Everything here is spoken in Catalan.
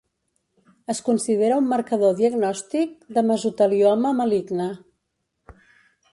Es considera un marcador diagnòstic del mesotelioma maligne.